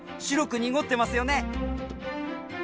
白く濁ってますよね。